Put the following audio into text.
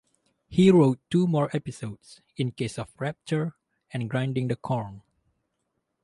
He wrote two more episodes - "In Case of Rapture" and "Grinding the Corn".